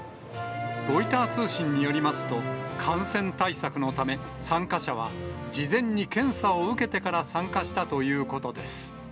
ロイター通信によりますと、感染対策のため、参加者は事前に検査を受けてから参加したということです。